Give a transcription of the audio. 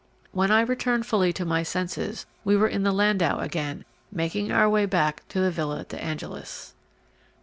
When I returned fully to my senses we were in the landau again making our way back to the Villa de Angelis.